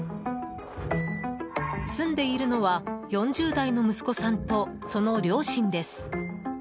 住んでいるのは４０代の息子さんとその両親です。